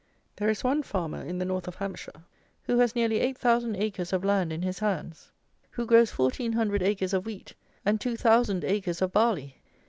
There is one farmer, in the North of Hampshire, who has nearly eight thousand acres of land in his hands; who grows fourteen hundred acres of wheat and two thousand acres of barley!